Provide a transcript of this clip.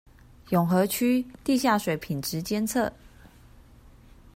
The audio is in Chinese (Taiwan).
永和區地下水品質監測